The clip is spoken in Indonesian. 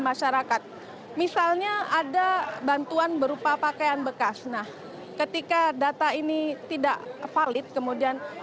masyarakat misalnya ada bantuan berupa pakaian bekas nah ketika data ini tidak valid kemudian